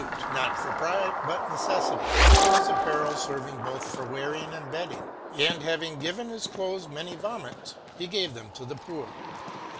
51 new fute, not for pride but necefsity his apparel ferving both i for wearing and bedding : and having given his clothes ma ny vomits, he gave them to the poore.